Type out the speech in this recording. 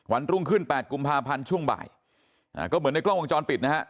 รุ่งขึ้น๘กุมภาพันธ์ช่วงบ่ายก็เหมือนในกล้องวงจรปิดนะฮะ